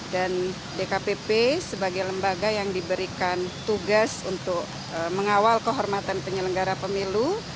dan dkpp sebagai lembaga yang diberikan tugas untuk mengawal kehormatan penyelenggara pemilu